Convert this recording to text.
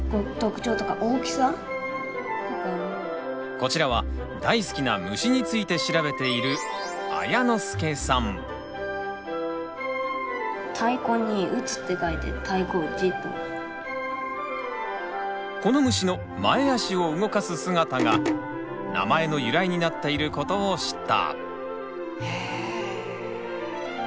こちらは大好きな虫について調べているこの虫の前足を動かす姿が名前の由来になっていることを知った。